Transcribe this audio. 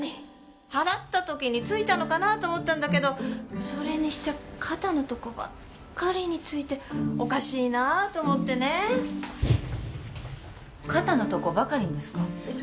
払った時についたのかなと思ったんだけどそれにしちゃ肩のとこばっかりについておかしいなあと思ってね肩のとこばかりにですか？